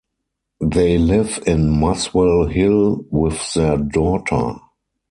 They live in Muswell Hill with their daughter.